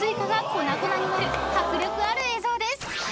［迫力ある映像です］